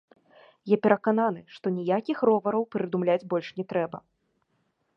Я перакананы, што ніякіх ровараў прыдумляць больш не трэба.